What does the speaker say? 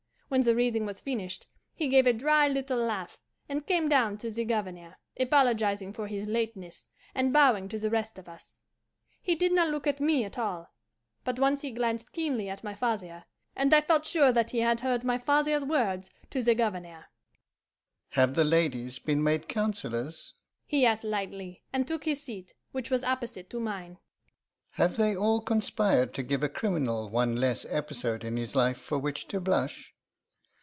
When the reading was finished, he gave a dry little laugh, and came down to the Governor, apologizing for his lateness, and bowing to the rest of us. He did not look at me at all, but once he glanced keenly at my father, and I felt sure that he had heard my father's words to the Governor. "'Have the ladies been made councillors?' he asked lightly, and took his seat, which was opposite to mine. 'Have they all conspired to give a criminal one less episode in his life for which to blush?...